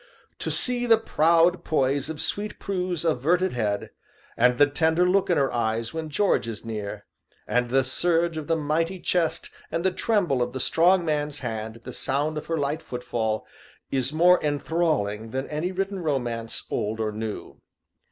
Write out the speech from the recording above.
To see the proud poise of sweet Prue's averted head, and the tender look in her eyes when George is near, and the surge of the mighty chest and the tremble of the strong man's hand at the sound of her light footfall, is more enthralling than any written romance, old or new.